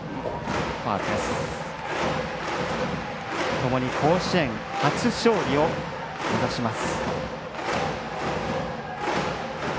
ともに甲子園初勝利を目指します。